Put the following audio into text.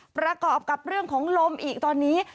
ประกอบกับเรื่องของลมอีกตอนนี้